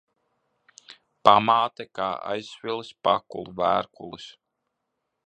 Pamāte kā aizsvilis pakulu vērkulis.